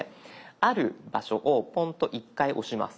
ある場所をポンと１回押します。